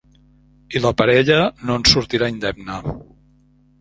I la parella no en sortirà indemne.